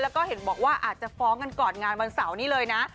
แล้วก็เห็นบอกว่าอาจจะฟ้องกันก่อนงานวันเสาร์นี้เลยนะ